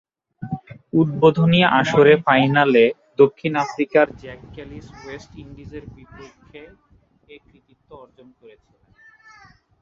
উদ্বোধনী আসরের ফাইনালে দক্ষিণ আফ্রিকার জ্যাক ক্যালিস ওয়েস্ট ইন্ডিজের বিপক্ষে এ কৃতিত্ব অর্জন করেছিলেন।